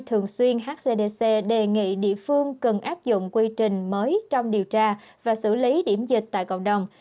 thường xuyên hcdc đề nghị địa phương cần áp dụng quy trình mới trong điều tra và xử lý điểm dịch tại cộng đồng